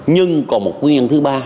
nhưng còn một nguyên nhân thứ ba